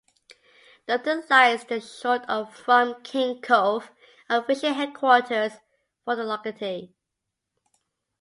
Dutton lies just short of from King Cove, a fishing headquarters for the locality.